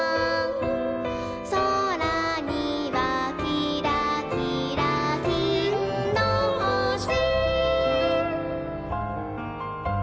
「そらにはきらきらきんのほし」